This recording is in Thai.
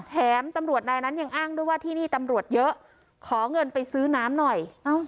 แถมตำรวจนายนั้นยังอ้างด้วยว่าที่นี่ตำรวจเยอะขอเงินไปซื้อน้ำหน่อย